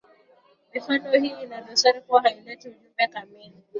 Mifano hii ina dosari kuwa haileti ujumbe kamili.